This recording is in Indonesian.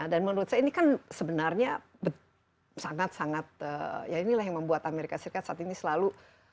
dan menurut saya ini kan sebenarnya sangat sangat ya inilah yang membuat amerika serikat saat ini selalu